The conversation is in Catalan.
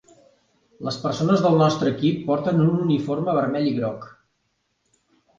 Les persones del nostre equip porten un uniforme vermell i groc.